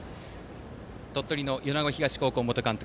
鳥取の米子東高校元監督